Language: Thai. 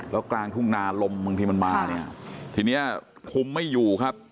แล้วกลางทุ่งนาลมบางทีมันมาเนี่ยทีเนี้ยคุมไม่อยู่ครับ